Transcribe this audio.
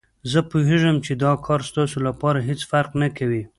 زه پوهېږم چې دا کار ستاسو لپاره هېڅ فرق نه کوي.